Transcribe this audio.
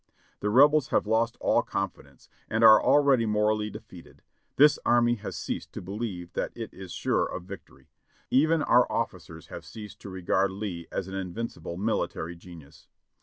"The Rebels have lost all confidence, and are already morally defeated. This armv has ceased to believe that it is sure of vie THE CAPITAL IX THE DOG UAYS 591 tory. Even our officers have ceased to regard Lee as an in vincible military genius.